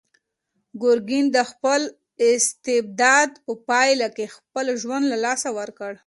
ګورګین د خپل استبداد په پایله کې خپل ژوند له لاسه ورکړ.